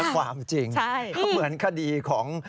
ความจริงก็เหมือนคดีของ